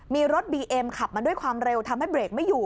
มีรถบีเอ็มขับมาด้วยความเร็วทำให้เบรกไม่อยู่